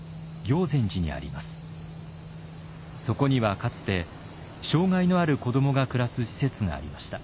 そこにはかつて障害のある子どもが暮らす施設がありました。